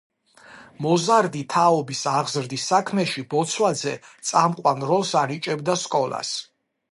მოზარდი თაობის აღზრდის საქმეში ბოცვაძე წამყვან როლს ანიჭებდა სკოლას.